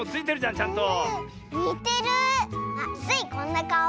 あっスイこんなかお？